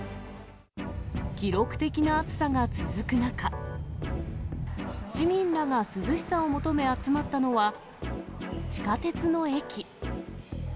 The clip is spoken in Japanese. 記録的な暑さが続く中、市民らが涼しさを求め集まったのは、地下鉄の駅。